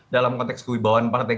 dalam konteks kewibawaan partai